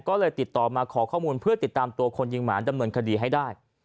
ก็เลยติดต่อมาขอข้อมูลเพื่อติดตามตัวคนยิงหมาดำเนินคดีให้ได้